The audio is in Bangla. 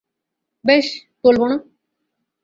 বেশ, বলবো না।